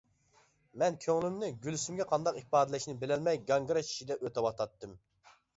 مەن كۆڭلۈمنى گۈلسۈمگە قانداق ئىپادىلەشنى بىلەلمەي گاڭگىراش ئىچىدە ئۆتۈۋاتاتتىم.